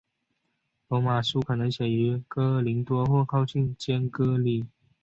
罗马书可能写于哥林多或靠近坚革哩。